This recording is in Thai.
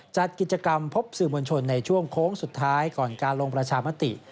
จัดกิจกรรมพบสื่อมวลชนในช่วงโค้งสุดท้ายก่อนการลงประชามติ